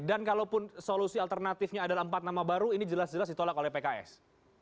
dan kalaupun solusi alternatifnya adalah empat nama baru ini jelas jelas ditolak oleh pks